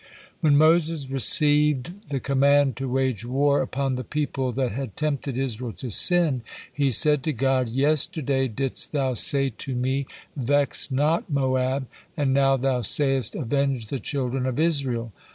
When Moses received the command to wage war upon the people that had tempted Israel to sin, he said to God: "Yesterday didst Thou say to me, 'Vex not Moab,' and now Thou sayest, 'Avenge the children of Israel.'"